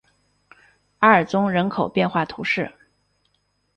阿尔宗人口变化图示